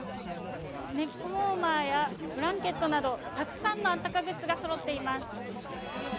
ネックウォーマーやブランケットなどたくさんのあったかグッズがそろってます。